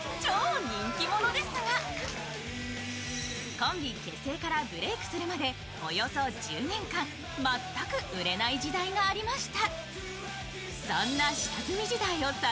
コンビ結成からブレイクするまでおよそ１０年間全く売れない時代がありました。